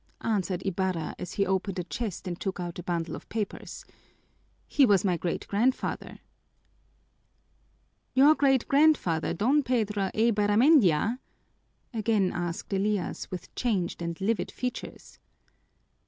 answered Ibarra, as he opened a chest and took out a bundle of papers. "He was my great grandfather." "Your great grandfather Don Pedro Eibarramendia?" again asked Elias with changed and livid features.